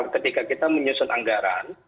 ketika kita menyusun anggaran